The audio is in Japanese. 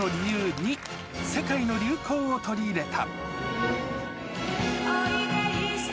２、世界の流行を取り入れた。